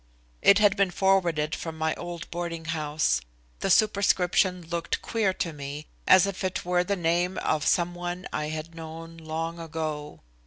It had been forwarded from my old boarding house. The superscription looked queer to me, as if it were the name of some one I had known long ago.